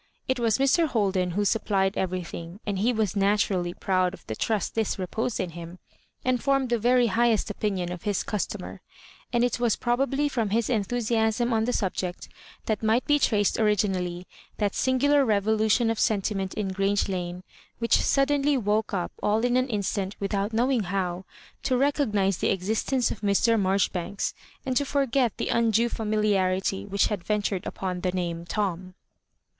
It was Mr. Hol den who supplied everything, and he was natur ally proud of the trust thus reposed in him, and formed the very highest opinion of his customer; and it was probably from his enthusiasm on the subject that might be traced originally that sin gular revolution of sentiment in Grange Lane, which suddenly woke up siU in an instant with out knowing how, to recognise the existence of Mr. Marjoribanks, and to forget the undue familiarity which had ventured upon the name Tom.